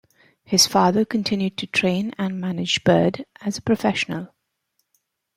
His father continued to train and manage Byrd as a professional.